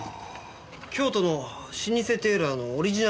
京都の老舗テーラーのオリジナルボタンでした。